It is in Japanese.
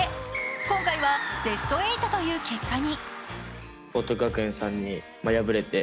今回はベスト８という結果に。